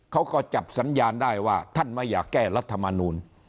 เขาก็จับสัญญาณได้ว่าท่านไม่อยากแก้รัฐมนูล